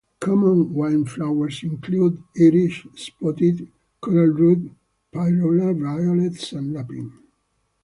Common wildflowers include iris, spotted coralroot, pyrola, violets, and lupin.